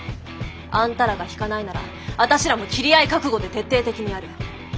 あんたらが引かないなら私らも斬り合い覚悟で徹底的にやる。